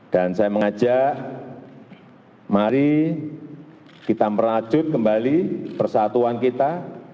dan saya mengajak mari kita merajut kembali persatuan kita